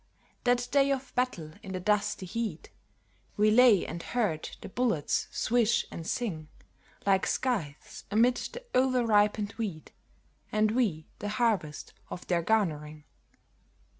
That day of battle in the dusty heat We lay and heard the bullets swish and sing Like scythes amid the over ripened wheat, And we the harvest of their garnering.